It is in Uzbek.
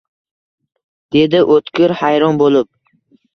dedi O`tkir hayron bo`lib